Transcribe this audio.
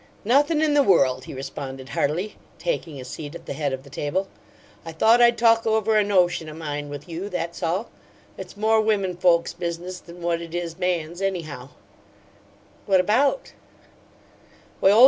"Nothin' in the world," he responded, heartily, taking a seat at the head of the table. "I thought I'd talk over a notion o' mine with you, that's all. It's more women folks' business than what it is man's, anyhow." "What about?"